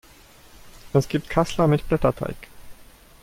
Es gibt Kassler mit Blätterteig.